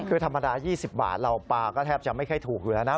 คือธรรมดา๒๐บาทเราปลาก็แทบจะไม่ค่อยถูกอยู่แล้วนะ